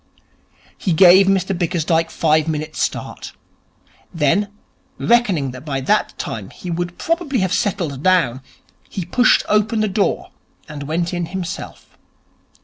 He gave Mr Bickersdyke five minutes' start. Then, reckoning that by that time he would probably have settled down, he pushed open the door and went in himself.